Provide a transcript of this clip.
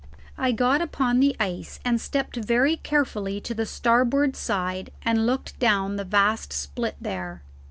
I got upon the ice and stepped very carefully to the starboard side and looked down the vast split there.